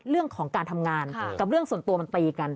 เรื่องของการทำงานกับเรื่องส่วนตัวมันตีกัน